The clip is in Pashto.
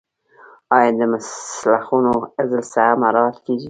آیا د مسلخونو حفظ الصحه مراعات کیږي؟